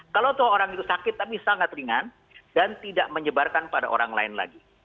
kalau orang itu sakit tapi sangat ringan dan tidak menyebarkan pada orang lain lagi